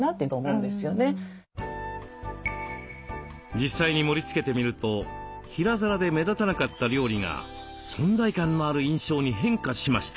実際に盛りつけてみると平皿で目立たなかった料理が存在感のある印象に変化しました。